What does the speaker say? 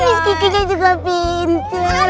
ah miss kiki juga pinter